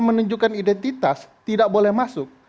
menunjukkan identitas tidak boleh masuk